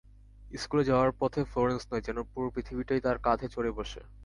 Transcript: স্কুলে যাওয়ার পথে ফ্লোরেন্স নয়, যেন পুরো পৃথিবীটাই তাঁর কাঁধে চড়ে বসে।